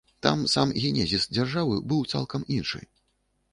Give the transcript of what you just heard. Там сам генезіс дзяржавы быў цалкам іншы.